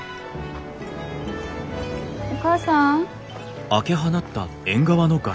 お母さん？